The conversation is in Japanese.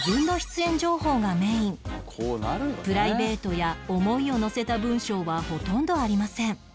プライベートや思いをのせた文章はほとんどありません